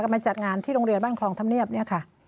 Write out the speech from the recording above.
มาจัดงานที่โรงเรียนบ้านคลองธรรมเนียบเนี่ยค่ะ